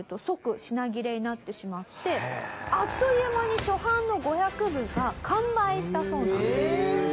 あっという間に初版の５００部が完売したそうなんです。